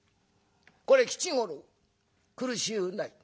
これ吉五郎苦しゅうない。